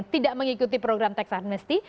bisa mengikuti program teksamnesti